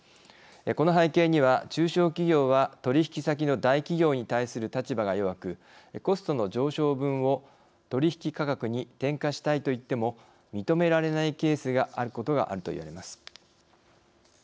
この背景には中小企業は取引先の大企業に対する立場が弱く「コストの上昇分を取引価格に転嫁したい」と言っても認められないケースがあることがあると言われます。